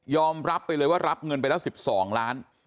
อมรับไปเลยว่ารับเงินไปแล้ว๑๒ล้าน